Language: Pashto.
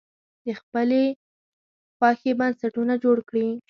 د خپلې خوښې بنسټونه جوړ کړي.